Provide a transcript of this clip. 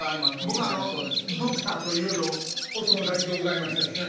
僕ドクターといろいろお友達でございましてね